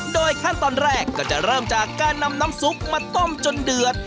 โดยขั้นตอนแรกก็จะเริ่มจากการนำน้ำซุปมาต้มจนเดือด